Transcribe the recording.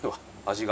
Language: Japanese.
味が。